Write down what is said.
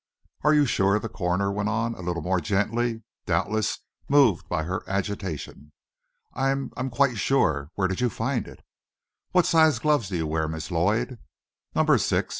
"Are you sure?" the coroner went on, a little more gently, doubtless moved by her agitation. "I'm I'm quite sure. Where did you find it?" "What size gloves do you wear, Miss Lloyd?" "Number six."